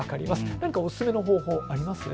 何かおすすめの方法あります。